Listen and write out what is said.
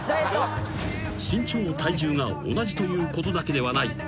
［身長体重が同じということだけではない］